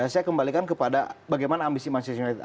saya kembalikan kepada bagaimana ambisi manchester united